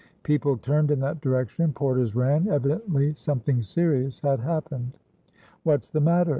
People turned in that direction; porters ran; evidently, something serious had happened. "What's the matter?"